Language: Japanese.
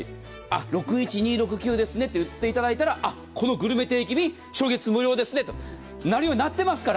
６１２６９ですねと言っていただいたらグルメ定期便、初月無料ですねとなるようになってますから。